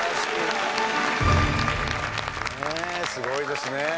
すごいですね。